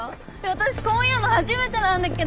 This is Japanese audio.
私こういうの初めてなんだけど。